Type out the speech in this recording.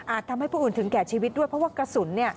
ทำให้ผู้อื่นถึงแก่ชีวิตด้วยเพราะว่ากระสุน